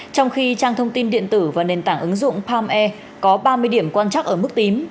trong khi trang thông tin điện tử và nền tảng ứng dụng palm air có ba mươi điểm quan trắc ở mức tím